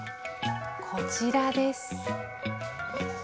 こちらです。